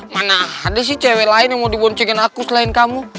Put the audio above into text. mana ada sih cewek lain yang mau diboncengin aku selain kamu